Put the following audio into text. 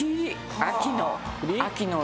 秋の。